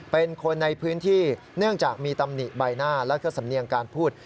เป็นคนในพื้นที่เนื่องจากมีตำหนิใบหน้าแล้วก็สำเนียงการพูด